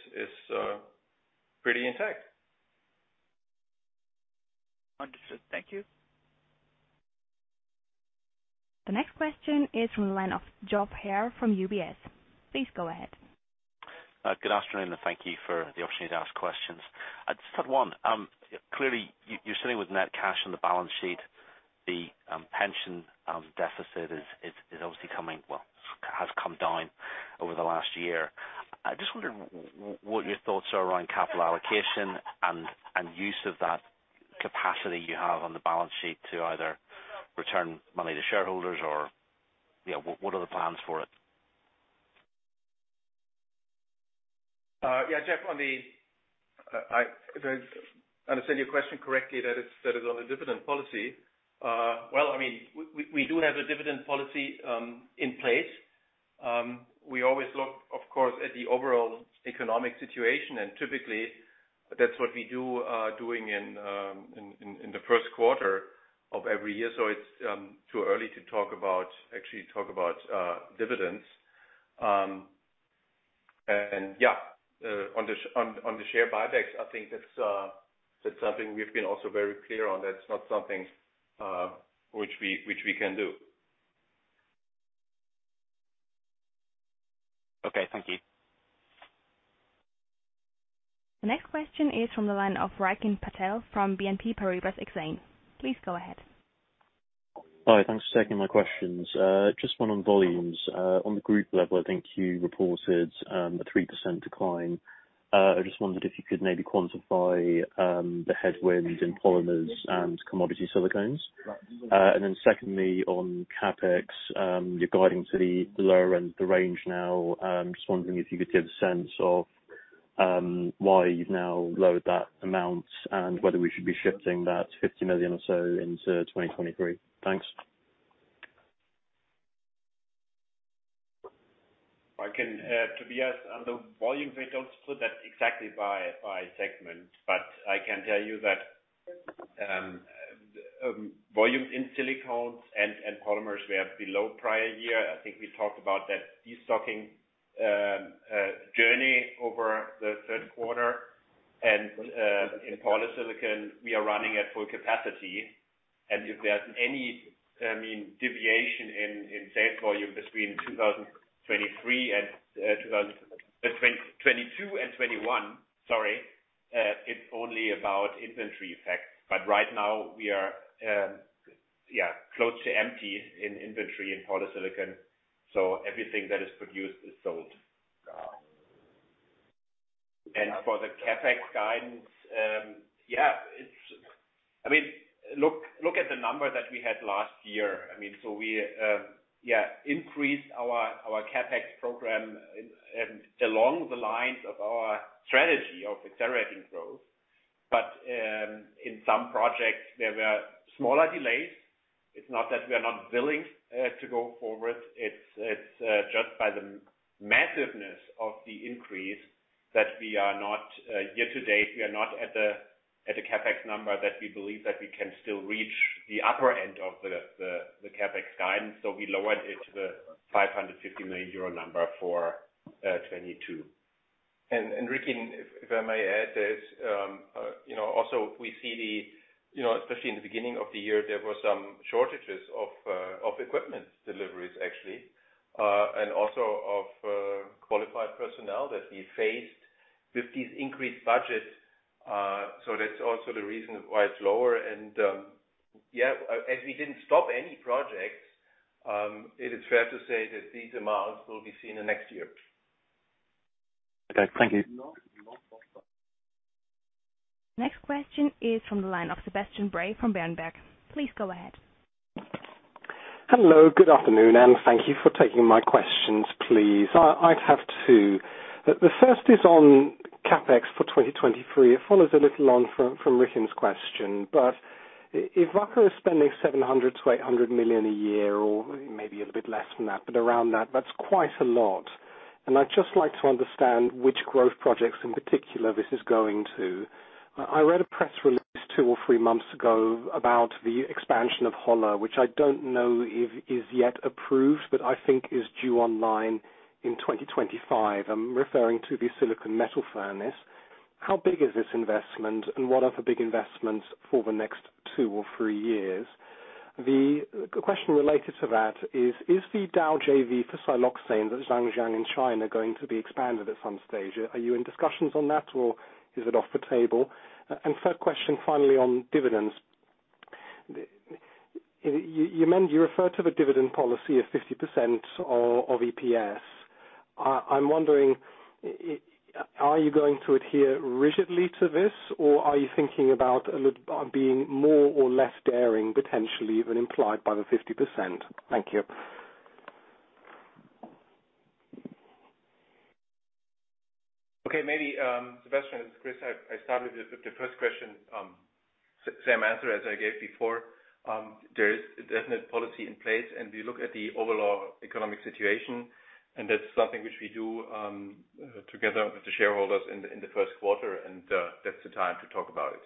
pretty intact. Understood. Thank you. The next question is from the line of Geoff Haire from UBS. Please go ahead. Good afternoon, and thank you for the opportunity to ask questions. I just had one. Clearly you're sitting with net cash on the balance sheet. The pension deficit is obviously coming, well, has come down over the last year. I just wondered what your thoughts are around capital allocation and use of that capacity you have on the balance sheet to either return money to shareholders or, you know, what are the plans for it? Yeah, Jeff, if I understand your question correctly, that it is on the dividend policy. Well, I mean, we do have a dividend policy in place. We always look, of course, at the overall economic situation, and typically that's what we do, doing it in the first quarter of every year. It's too early to actually talk about dividends. Yeah, on the share buybacks, I think that's something we've been also very clear on. That's not something which we can do. Okay. Thank you. The next question is from the line of Rikin Patel from BNP Paribas Exane. Please go ahead. Hi. Thanks for taking my questions. Just one on volumes. On the group level, I think you reported a 3% decline. I just wondered if you could maybe quantify the headwinds in polymers and commodity silicones. And then secondly, on CapEx, you're guiding to the lower end of the range now. Just wondering if you could give a sense of why you've now lowered that amount and whether we should be shifting that 50 million or so into 2023. Thanks. I can, Tobias, on the volume, I don't split that exactly by segment, but I can tell you that volume in silicones and polymers, we are below prior year. I think we talked about that destocking journey over the third quarter. In polysilicon, we are running at full capacity. If there's any, I mean, deviation in sales volume between 2023 and 2022 and 2021, sorry, it's only about inventory effect. But right now we are close to empty in inventory in polysilicon, so everything that is produced is sold. For the CapEx guidance, it's. I mean, look at the number that we had last year. I mean, we increased our CapEx program along the lines of our strategy of accelerating growth. In some projects there were smaller delays. It's not that we are not willing to go forward. It's just by the massiveness of the increase that we are not year to date at the CapEx number that we believe that we can still reach the upper end of the CapEx guidance. We lowered it to the 550 million euro number for 2022. Rikin, if I may add this, you know, also we see the... You know, especially in the beginning of the year, there were some shortages of equipment deliveries actually, and also of qualified personnel that we faced with these increased budgets. That's also the reason why it's lower. As we didn't stop any projects, it is fair to say that these amounts will be seen in next year. Okay, thank you. Next question is from the line of Sebastian Bray from Berenberg. Please go ahead. Hello, good afternoon, and thank you for taking my questions, please. I'd have two. The first is on CapEx for 2023. It follows a little on from Rikin's question. If Wacker is spending 700 million-800 million a year or maybe a little bit less than that, but around that's quite a lot. I'd just like to understand which growth projects in particular this is going to. I read a press release 2 or 3 months ago about the expansion of Holla, which I don't know if is yet approved, but I think is due online in 2025. I'm referring to the silicon metal furnace. How big is this investment, and what are the big investments for the next 2 or 3 years? The question related to that is the Dow JV for siloxane that Zhangjiagang in China going to be expanded at some stage? Are you in discussions on that or is it off the table? Third question, finally, on dividends. You refer to the dividend policy of 50% of EPS. I'm wondering, are you going to adhere rigidly to this or are you thinking about being more or less daring potentially than implied by the 50%? Thank you. Okay. Maybe, Sebastian, as Chris said, I start with the first question. Same answer as I gave before. There is a definite policy in place, and we look at the overall economic situation, and that's something which we do together with the shareholders in the first quarter, and that's the time to talk about it.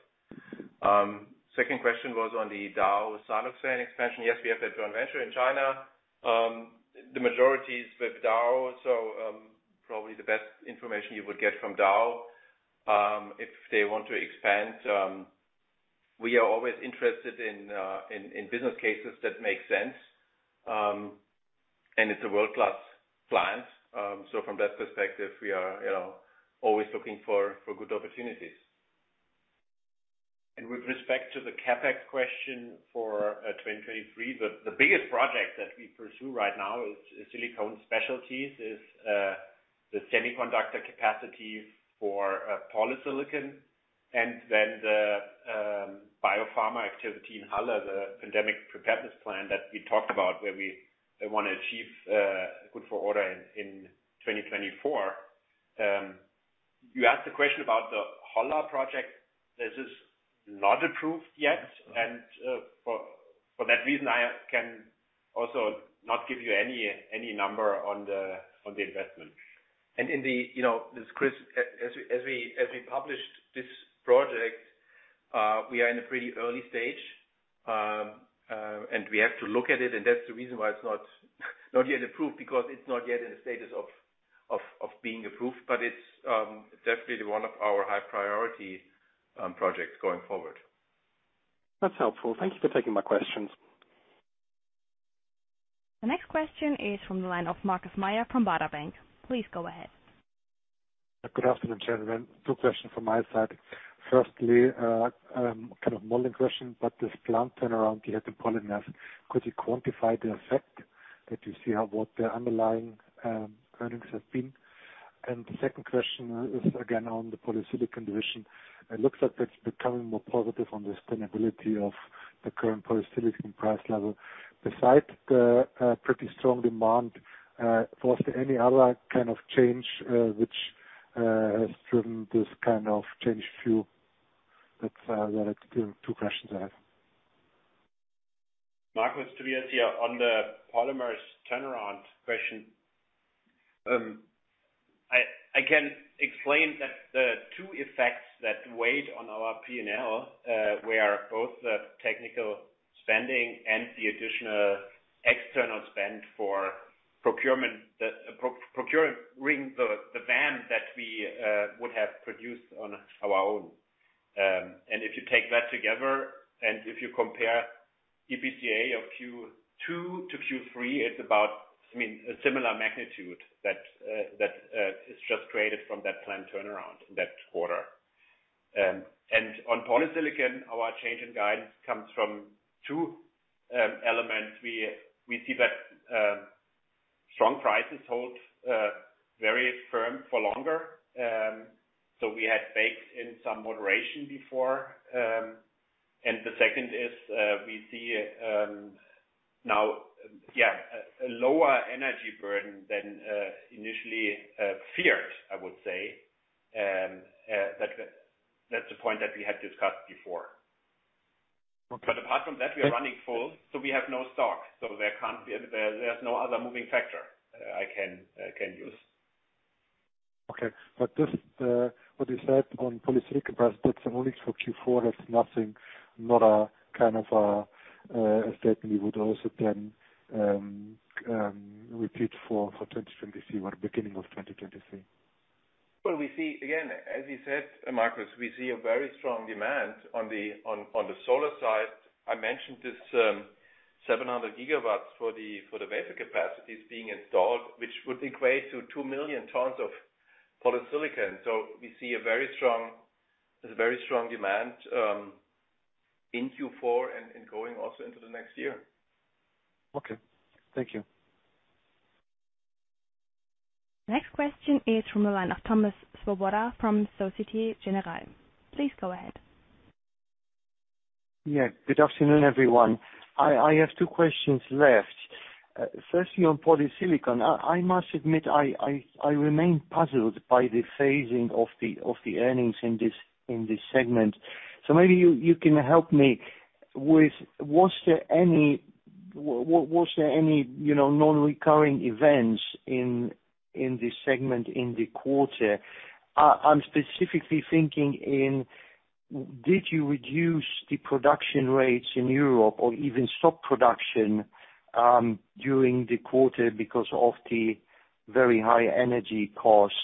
Second question was on the Dow siloxane expansion. Yes, we have that joint venture in China. The majority is with Dow, so probably the best information you would get from Dow if they want to expand. We are always interested in business cases that make sense. It's a world-class client, so from that perspective we are, you know, always looking for good opportunities. With respect to the CapEx question for 2023, the biggest project that we pursue right now is silicone specialties, the semiconductor capacities for polysilicon and then the biopharma activity in Halle, the pandemic preparedness plan that we talked about, where they want to achieve good for order in 2024. You asked the question about the Holla project. This is not approved yet. For that reason, I can also not give you any number on the investment. You know, this is Chris. As we published this project, we are in a pretty early stage, and we have to look at it, and that's the reason why it's not yet approved because it's not yet in a status of being approved. It's definitely one of our high priority projects going forward. That's helpful. Thank you for taking my questions. The next question is from the line of Markus Mayer from Baader Bank. Please go ahead. Good afternoon, gentlemen. Two questions from my side. Firstly, kind of modeling question, but this plant turnaround you had in Polymers, could you quantify the effect that you see on the underlying earnings have been? The second question is again on the polysilicon division. It looks like that's becoming more positive on the sustainability of the current polysilicon price level. Besides the pretty strong demand, was there any other kind of change which has driven this kind of changed view? That's the two questions I have. Tobias Ohler here on the polymers turnaround question. I can explain that the two effects that weighed on our P&L were both the technical spending and the additional external spend for procurement, procuring the VAM that we would have produced on our own. If you take that together, and if you compare EBITDA of Q2 to Q3, it's about, I mean, a similar magnitude that is just created from that plant turnaround in that quarter. On polysilicon, our change in guidance comes from two elements. We see that strong prices hold very firm for longer. We had baked in some moderation before. The second is, we see now a lower energy burden than initially feared, I would say. That's the point that we had discussed before. Okay. Apart from that, we are running full, so we have no stock. There's no other moving factor I can use. This, what you said on polysilicon price, that's only for Q4. That's nothing, not a kind of, a statement we would also then, repeat for 2023 or beginning of 2023. Well, we see again, as you said, Markus, we see a very strong demand on the solar side. I mentioned this, 700 gigawatts for the wafer capacities being installed, which would equate to 2 million tons of polysilicon. We see a very strong demand in Q4 and going also into the next year. Okay. Thank you. Next question is from the line of Thomas Swoboda from Société Générale. Please go ahead. Yeah. Good afternoon, everyone. I have two questions left. Firstly, on polysilicon, I must admit, I remain puzzled by the phasing of the earnings in this segment. So maybe you can help me. Was there any, you know, non-recurring events in this segment in the quarter? I'm specifically thinking, did you reduce the production rates in Europe or even stop production during the quarter because of the very high energy costs?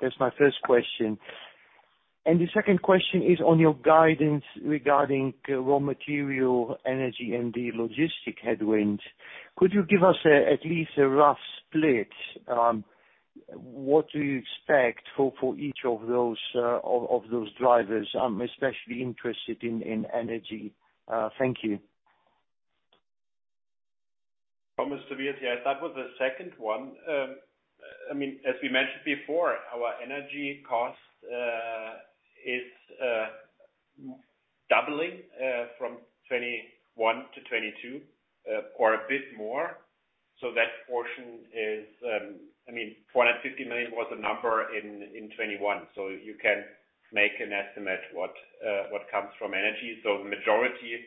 That's my first question. The second question is on your guidance regarding raw material, energy, and the logistics headwinds. Could you give us at least a rough split? What do you expect for each of those drivers? I'm especially interested in energy. Thank you. Yes, that was the second one. I mean, as we mentioned before, our energy cost is doubling from 2021 to 2022, or a bit more. That portion is, I mean, 450 million was the number in 2021. You can make an estimate what comes from energy. The majority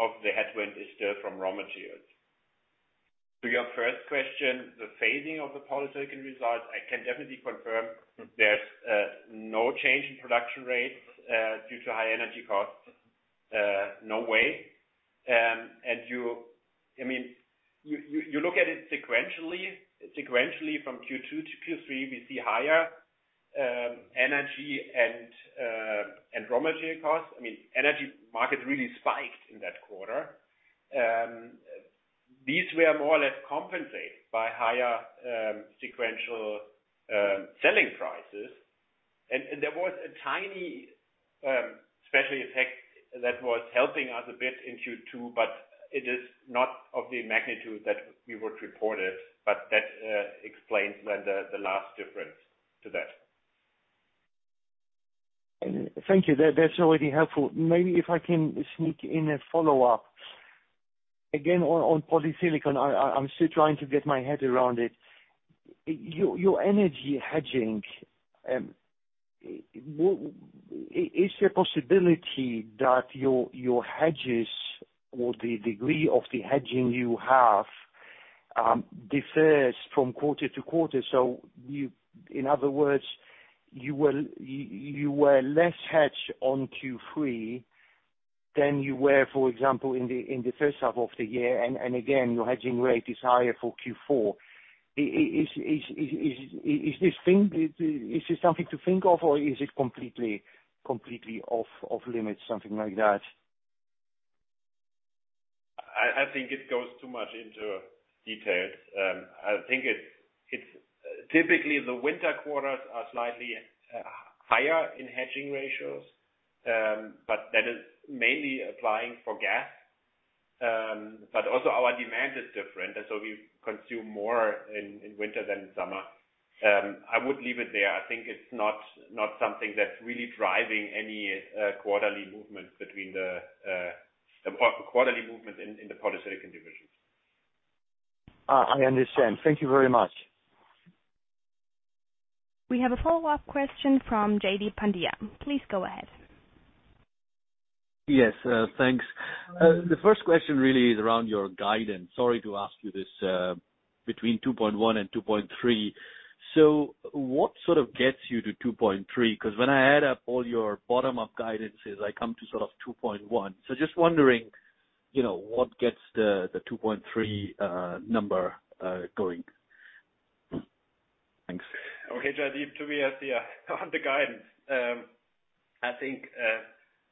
of the headwind is still from raw materials. To your first question, the phasing of the polysilicon results, I can definitely confirm there's no change in production rates due to high energy costs. No way. I mean, you look at it sequentially. Sequentially from Q2 to Q3, we see higher energy and raw material costs. I mean, energy market really spiked in that quarter. These were more or less compensated by higher sequential selling prices. There was a tiny special effect that was helping us a bit in Q2, but it is not of the magnitude that we would report it. That explains when the last difference to that. Thank you. That's already helpful. Maybe if I can sneak in a follow-up. Again, on polysilicon, I'm still trying to get my head around it. Your energy hedging, is there a possibility that your hedges or the degree of the hedging you have differs from quarter to quarter? In other words, you were less hedged on Q3 than you were, for example, in the first half of the year. Again, your hedging rate is higher for Q4. Is this something to think of, or is it completely off limits, something like that? I think it goes too much into details. I think it's typically the winter quarters are slightly higher in hedging ratios, but that is mainly applying for gas. Also our demand is different, and so we consume more in winter than summer. I would leave it there. I think it's not something that's really driving any quarterly movement between the quarterly movement in the polysilicon division. I understand. Thank you very much. We have a follow-up question from Jaideep Pandya. Please go ahead. Yes, thanks. The first question really is around your guidance. Sorry to ask you this, between 2.1 and 2.3. What sort of gets you to 2.3? 'Cause when I add up all your bottom-up guidances, I come to sort of 2.1. Just wondering, you know, what gets the 2.3 number going? Thanks. Okay, JD. On the guidance, I think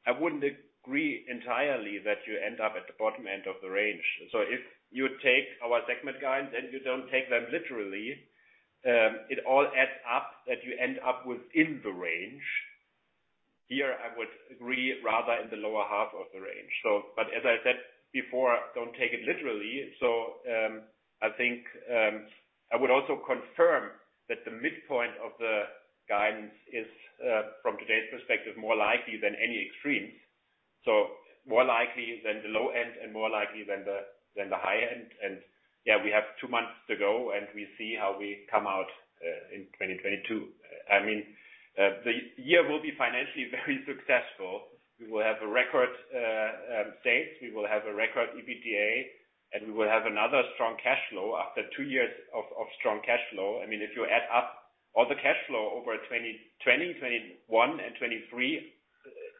I wouldn't agree entirely that you end up at the bottom end of the range. If you take our segment guidance, and you don't take them literally, it all adds up that you end up within the range. Here, I would agree rather in the lower half of the range. But as I said before, don't take it literally. I think I would also confirm that the midpoint of the guidance is, from today's perspective, more likely than any extremes. More likely than the low end and more likely than the high end. Yeah, we have two months to go, and we see how we come out in 2022. I mean, the year will be financially very successful. We will have record sales. We will have a record EBITDA. We will have another strong cash flow after two years of strong cash flow. I mean, if you add up all the cash flow over 2020, 2021, and 2023,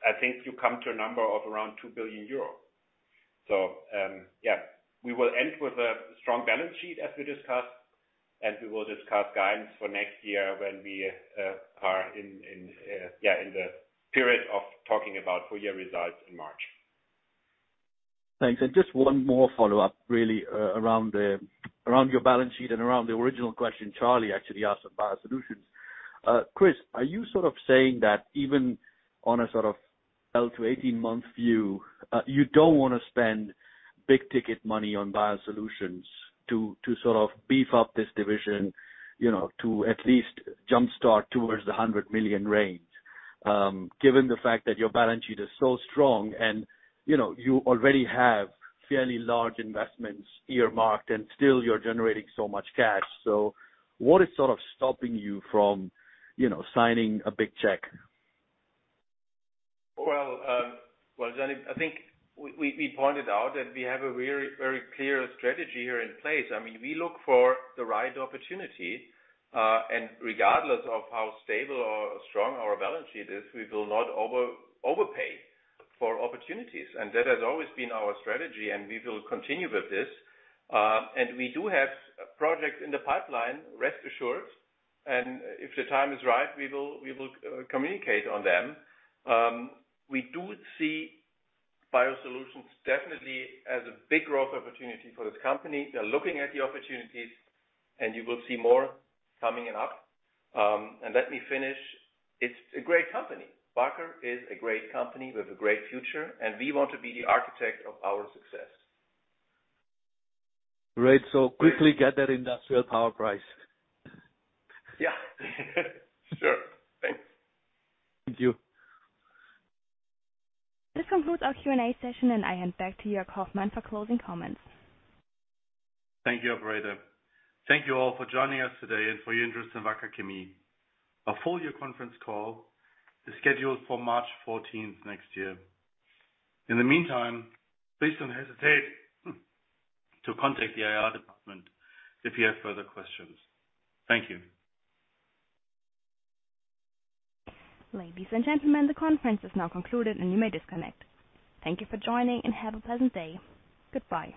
I think you come to a number of around 2 billion euros. We will end with a strong balance sheet as we discussed, and we will discuss guidance for next year when we are in the period of talking about full year results in March. Thanks. Just one more follow-up really, around your balance sheet and around the original question Charlie actually asked about biosolutions. Christian, are you sort of saying that even on a sort of long to 18-month view, you don't wanna spend big ticket money on biosolutions to sort of beef up this division, you know, to at least jumpstart towards the 100 million range, given the fact that your balance sheet is so strong and, you know, you already have fairly large investments earmarked, and still you're generating so much cash. What is sort of stopping you from, you know, signing a big check? JD, I think we pointed out that we have a very, very clear strategy here in place. I mean, we look for the right opportunity, and regardless of how stable or strong our balance sheet is, we will not overpay for opportunities. That has always been our strategy, and we will continue with this. We do have projects in the pipeline, rest assured, and if the time is right, we will communicate on them. We do see biosolutions definitely as a big growth opportunity for this company. We are looking at the opportunities, and you will see more coming up. Let me finish. It's a great company. Wacker is a great company with a great future, and we want to be the architect of our success. Great. Quickly get that industrial power price. Yeah. Sure. Thanks. Thank you. This concludes our Q&A session, and I hand back to Jörg Hoffmann for closing comments. Thank you, operator. Thank you all for joining us today and for your interest in Wacker Chemie. Our full year conference call is scheduled for March fourteenth next year. In the meantime, please don't hesitate to contact the IR department if you have further questions. Thank you. Ladies and gentlemen, the conference is now concluded, and you may disconnect. Thank you for joining, and have a pleasant day. Goodbye.